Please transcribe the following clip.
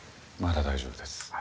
まだ大丈夫です。